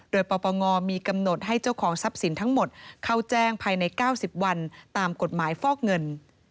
โดยปปงมีกำหนดให้เจ้าของทรัพย์สินทั้งหมดเข้าแจ้งภายใน๙๐วันตามกฎหมายฟอกเงิน